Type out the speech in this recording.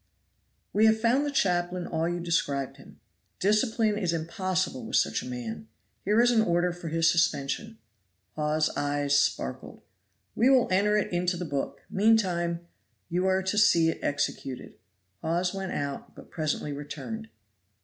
"We have found the chaplain all you described him. Discipline is impossible with such a man; here is an order for his suspension." Hawes's eyes sparkled. "We will enter it into the book, meantime you are to see it executed." Hawes went out, but presently returned.